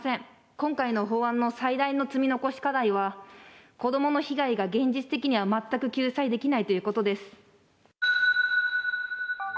今回の法案の最大の積み残し課題は、子どもの被害が現実的には全く救済できないということです。